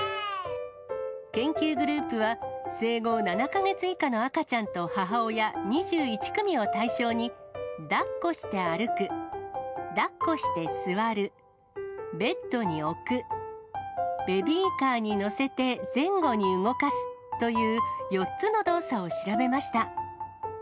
研究グループは、生後７か月以下の赤ちゃんと母親２１組を対象に、だっこして歩く、だっこして座る、ベッドに置く、ベビーカーに乗せて前後に動かすという、４つの動作を調べました。